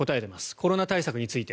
コロナ対策について